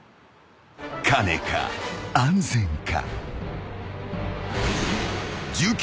［金か安全か］